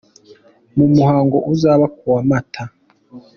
mu muhango uzaba ku wa Mata.